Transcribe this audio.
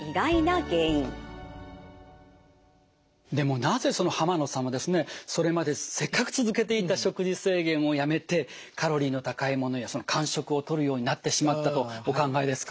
でもなぜ濱野さんはですねそれまでせっかく続けていた食事制限をやめてカロリーの高いものや間食をとるようになってしまったとお考えですか？